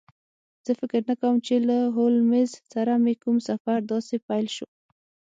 زه فکر نه کوم چې له هولمز سره مې کوم سفر داسې پیل شو